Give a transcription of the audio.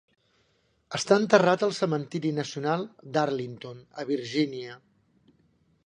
Està enterrat al cementeri nacional d'Arlington, a Virginia.